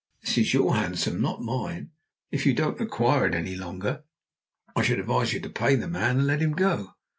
That is your hansom, not mine. If you don't require it any longer, I should advise you to pay the man and let him go."